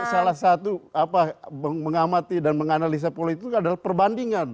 salah satu mengamati dan menganalisa pola itu adalah perbandingan